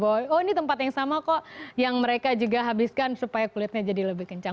oh ini tempat yang sama kok yang mereka juga habiskan supaya kulitnya jadi lebih kencang